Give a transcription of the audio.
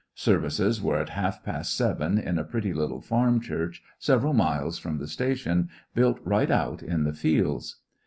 Services were at half past seven in a pretty little farm church several miles from the statiouj built right out in the fields.